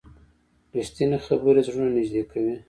رښتیني خبرې زړونه نږدې کوي.